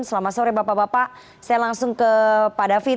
selamat sore bapak bapak saya langsung ke pak david